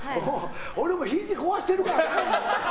俺も、ひじ壊してるからね。